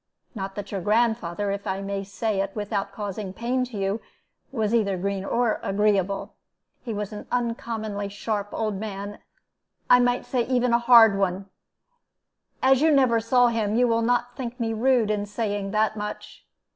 Not that your grandfather, if I may say it without causing pain to you, was either green or agreeable. He was an uncommonly sharp old man; I might even say a hard one. As you never saw him, you will not think me rude in saying that much.